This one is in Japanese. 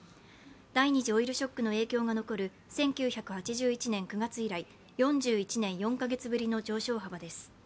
第２次オイルショックの影響が残る１９８１年９月以来、４１年４か月ぶりの上昇幅です。